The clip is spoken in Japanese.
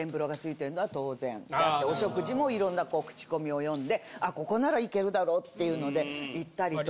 お食事も色んなクチコミを読んでここならいけるだろうっていうので行ったりとか。